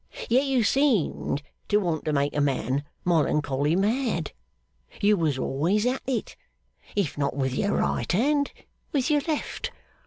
Yet you seemed to want to make a man mollancholy mad. You was always at it if not with your right hand, with your left.